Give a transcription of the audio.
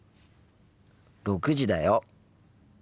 ６時だよ。